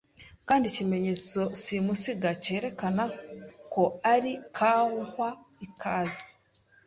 kandi ikimenyetso simusiga cyerekana ko ari kawa ikaze